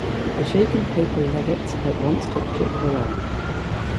The shaken papal legates at once took ship for Rome.